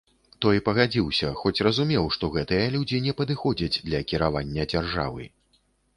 Тот пагадзіўся, хоць разумеў, што гэтыя людзі не падыходзяць для кіравання дзяржавы.